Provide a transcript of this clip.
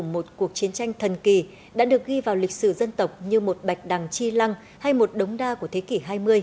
một cuộc chiến tranh thần kỳ đã được ghi vào lịch sử dân tộc như một bạch đằng chi lăng hay một đống đa của thế kỷ hai mươi